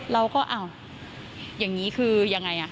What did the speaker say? เราก็อ้าวอย่างนี้คือยังไง